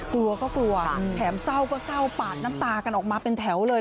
กลัวก็กลัวแถมเศร้าก็เศร้าปาดน้ำตากันออกมาเป็นแถวเลย